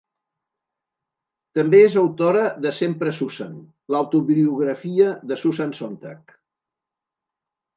També és autora de Sempre Susan: L'autobiografia de Susan Sontag.